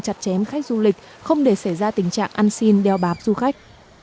chặt chém khách du lịch không để xảy ra tình trạng ăn xin đeo bạp du khách